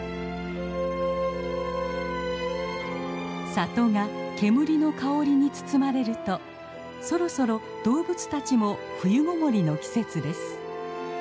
里が煙の香りに包まれるとそろそろ動物たちも冬ごもりの季節です。